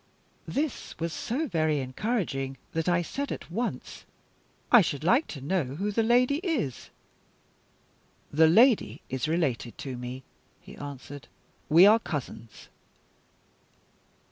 This was so very encouraging that I said at once: "I should like to know who the lady is." "The lady is related to me," he answered. "We are cousins."